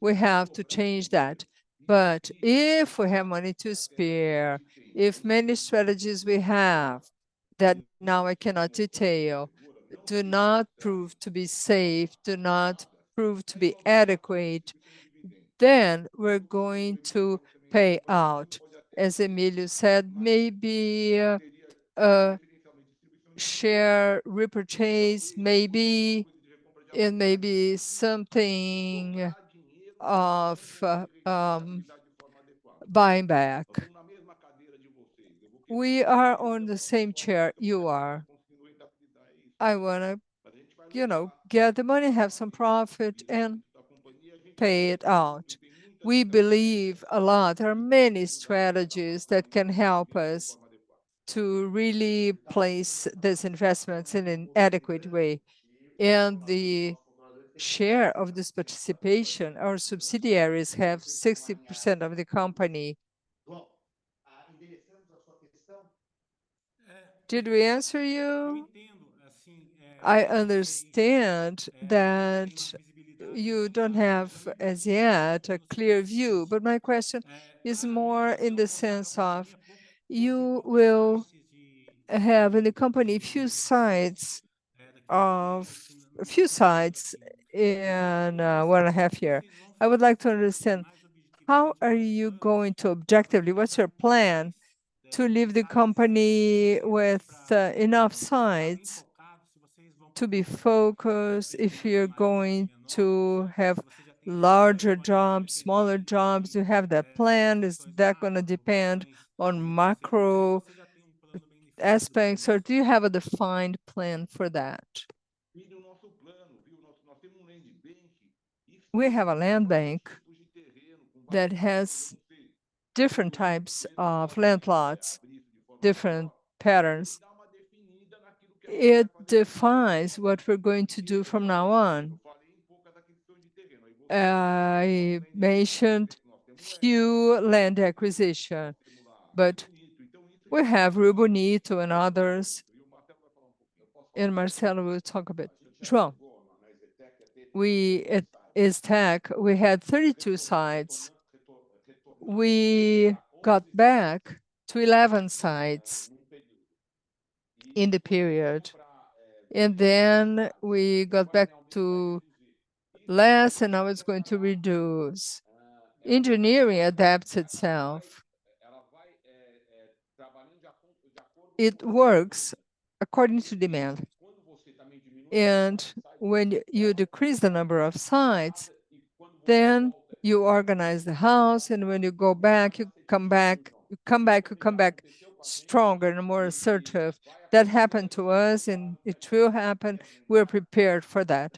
we have to change that. But if we have money to spare, if many strategies we have, that now I cannot detail, do not prove to be safe, do not prove to be adequate, then we're going to pay out. As Emílio said, maybe share repurchase, maybe, and maybe something of buyback. We are on the same page you are. I wanna, you know, get the money, have some profit, and pay it out. We believe a lot. There are many strategies that can help us to really place these investments in an adequate way, and the share of this participation, our subsidiaries have 60% of the company. Did we answer you? I understand that you don't have, as yet, a clear view, but my question is more in the sense of you will have in the company a few sites in what I have here. I would like to understand, how are you going to objectively. What's your plan to leave the company with enough sites to be focused? If you're going to have larger jobs, smaller jobs, you have that plan, is that gonna depend on macro aspects, or do you have a defined plan for that? We have a land bank that has different types of land plots, different patterns. It defines what we're going to do from now on. I mentioned few land acquisition, but we have Rio Bonito and others, and Marcelo will talk about it. João, we, at EZTEC, we had 32 sites. We got back to 11 sites in the period, and then we got back to less, and now it's going to reduce. Engineering adapts itself. It works according to demand, and when you decrease the number of sites, then you organize the house, and when you go back, you come back, you come back, you come back stronger and more assertive. That happened to us, and it will happen. We're prepared for that.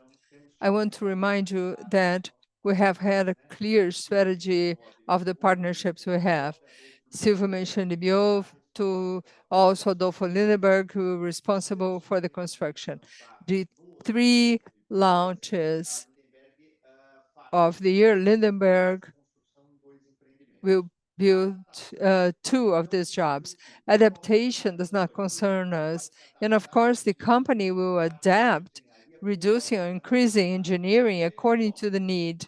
I want to remind you that we have had a clear strategy of the partnerships we have. Silvio mentioned above to also Adolpho Lindenberg, who are responsible for the construction. The three launches of the year, Lindenberg will build two of these jobs. Adaptation does not concern us, and of course, the company will adapt, reducing or increasing engineering according to the need.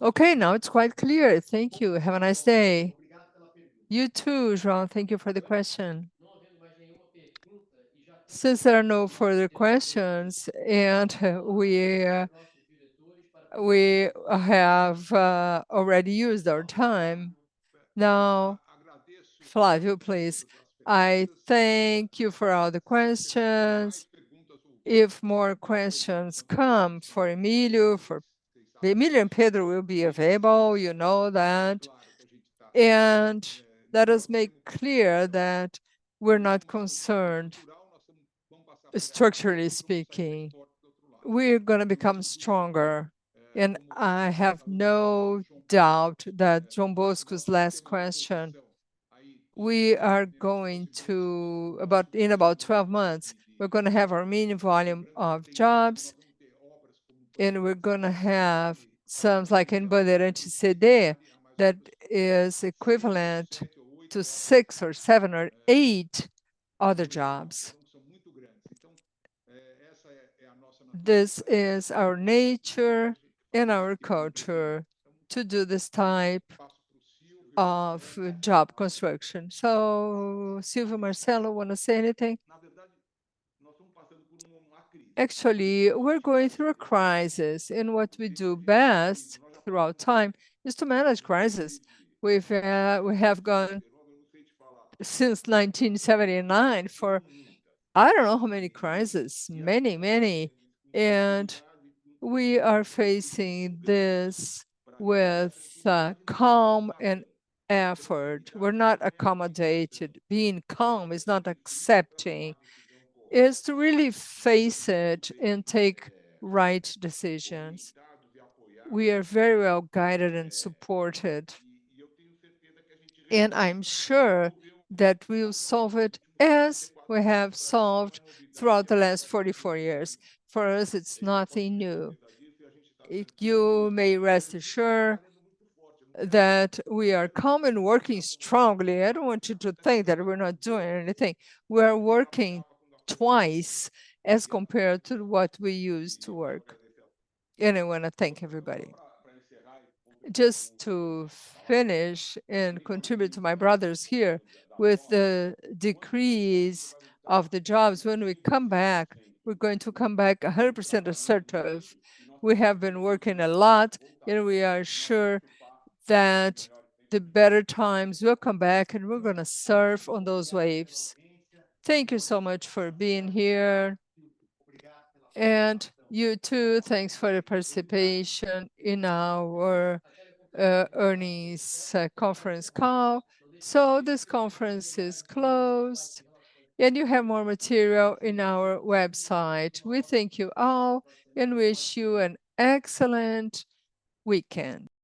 Okay, now it's quite clear. Thank you. Have a nice day. You too, João. Thank you for the question. Since there are no further questions, and we have already used our time, now, Flávio, please. I thank you for all the questions. If more questions come for Emílio, for... Emílio and Pedro will be available, you know that. Let us make clear that we're not concerned, structurally speaking. We're gonna become stronger, and I have no doubt that João Bosco's last question, we are going to... about, in about 12 months, we're gonna have our minimum volume of jobs, and we're gonna have some, like in Bandeirantes City, that is equivalent to six or seven or eight other jobs. This is our nature and our culture to do this type of job construction. So Silvio, Marcelo, want to say anything? Actually, we're going through a crisis, and what we do best throughout time is to manage crisis. We've, we have gone since 1979 for I don't know how many crises. Many, many, and we are facing this with calm and effort. We're not accommodated. Being calm is not accepting. It's to really face it and take right decisions. We are very well guided and supported, and I'm sure that we'll solve it as we have solved throughout the last 44 years. For us, it's nothing new. You may rest assured that we are calm and working strongly. I don't want you to think that we're not doing anything. We are working twice as compared to what we used to work, and I want to thank everybody. Just to finish and contribute to my brothers here, with the decrease of the jobs, when we come back, we're going to come back 100% assertive. We have been working a lot, and we are sure that the better times will come back, and we're gonna surf on those waves. Thank you so much for being here. And you, too, thanks for your participation in our earnings conference call. This conference is closed, and you have more material in our website. We thank you all and wish you an excellent weekend.